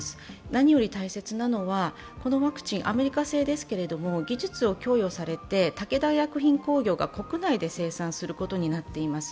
何より大切なのは、このワクチン、アメリカ製ですけれども、技術を供与されて武田薬品工業が国内で生産することになっています。